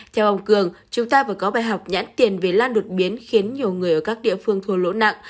theo ông cường chúng ta vừa có bài học nhãn tiền về lan đột biến khiến nhiều người ở các địa phương thua lỗ nặng